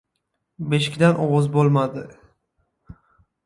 Beshikdan ovoz bo‘lmadi.